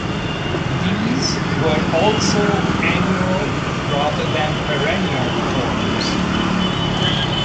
These were also annual rather than perennial forms.